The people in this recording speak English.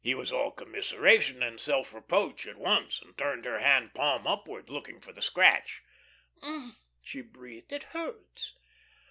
He was all commiseration and self reproach at once, and turned her hand palm upwards, looking for the scratch. "Um!" she breathed. "It hurts."